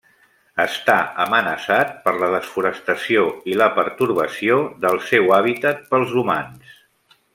Està amenaçat per la desforestació i la pertorbació del seu hàbitat pels humans.